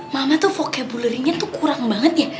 mama tuh vocabulary nya tuh kurang banget ya